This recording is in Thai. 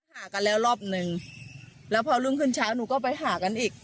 หากันแล้วรอบนึงแล้วพอรุ่งขึ้นเช้าหนูก็ไปหากันอีก